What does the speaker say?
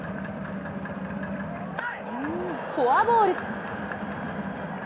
フォアボール。